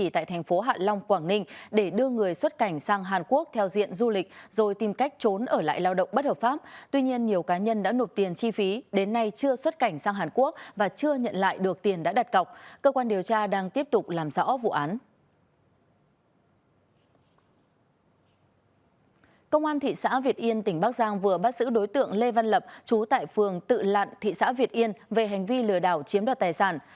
thị xã việt yên tỉnh bắc giang vừa bắt xử đối tượng lê văn lập chú tại phường tự lạn thị xã việt yên về hành vi lừa đảo chiếm đoạt tài sản